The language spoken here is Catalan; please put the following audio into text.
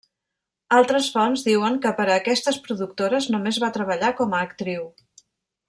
Altres fonts diuen que per a aquestes productores només va treballar com a actriu.